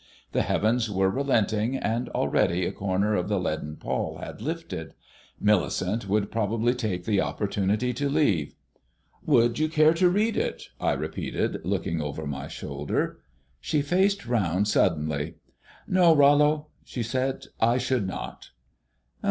The heavens were relenting, and already a corner of the leaden pall had lifted. Millicent would probably take the opportunity to leave. "Would you care to read it?" I repeated, looking over my shoulder. She faced round suddenly. "No, Rollo," she said, "I should not."